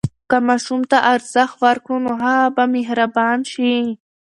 که ماشوم ته ارزښت ورکړو، نو هغه به مهربان شي.